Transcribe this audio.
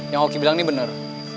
yang oki bilang ini benar